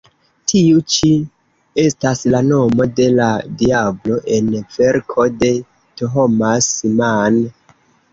Tiu ĉi estas la nomo de la diablo en verko de Thomas Mann.